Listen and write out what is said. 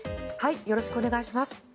よろしくお願いします。